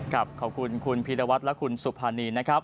ขอบคุณคุณพีรวัตรและคุณสุภานีนะครับ